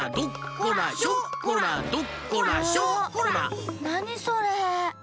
あなにそれ？